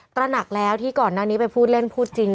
ตระหนักแล้วที่ก่อนหน้านี้ไปพูดเล่นพูดจริง